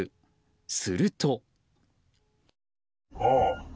すると。